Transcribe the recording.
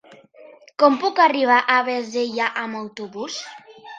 Com puc arribar a Bassella amb autobús?